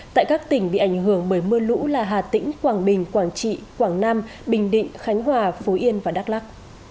tại các tỉnh bị ảnh hưởng bởi mưa lũ là hà tĩnh quảng bình quảng trị quảng nam bình định khánh hòa phú yên và đắk lắc